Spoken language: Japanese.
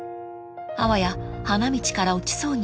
［あわや花道から落ちそうに］